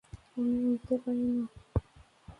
আমি উড়তে পারি না!